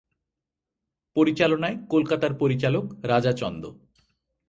পরিচালনায় কলকাতার পরিচালক রাজা চন্দ।